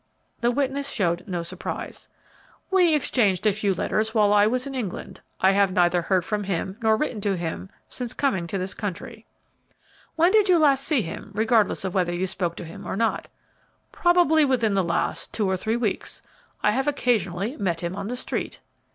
The witness showed no surprise. "We exchanged a few letters while I was in England. I have neither heard from him nor written to him since coming to this country." "When did you last see him, regardless of whether you spoke to him or not?" "Probably within the last two or three weeks. I have occasionally met him on the street."